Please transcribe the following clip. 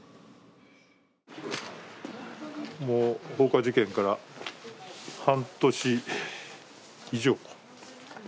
放火事件から半年以上か。